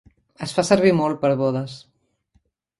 Es fa servir molt per bodes.